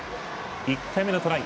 １回目のトライ